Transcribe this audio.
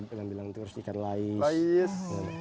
bila bilang terus ikan lais